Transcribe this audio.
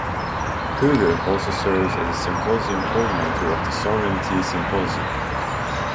Kauger also serves as Symposium Coordinator of the Sovereignty Symposium.